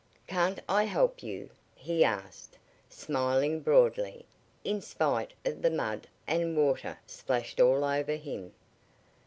"Can't I help you?" he asked, smiling broadly, in spite of the mud and water splashed all over him.